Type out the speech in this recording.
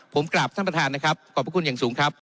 ผมกราบท่านประธานนะครับขอบพระคุณอย่างสูงครับ